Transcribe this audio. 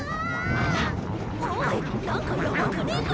おいなんかやばくねえか？